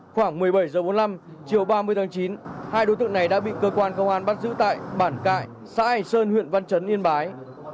khoảng một mươi bảy h bốn mươi năm chiều ba mươi tháng chín hai đối tượng này đã bị cơ quan công an bắt giữ tại bản cải xã hành sơn huyện văn chấn yên bái